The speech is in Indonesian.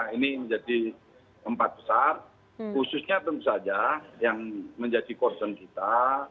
ini menjadi tempat besar khususnya tentu saja yang menjadi concern kita